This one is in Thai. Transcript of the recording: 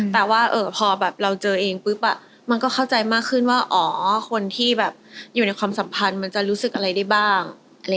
แต่ว่าพอแบบเราเจอเองปุ๊บมันก็เข้าใจมากขึ้นว่าอ๋อคนที่แบบอยู่ในความสัมพันธ์มันจะรู้สึกอะไรได้บ้าง